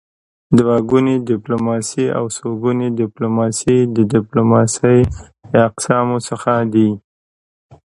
دوه ګوني ډيپلوماسي او څوګوني ډيپلوماسي د ډيپلوماسی د اقسامو څخه دي.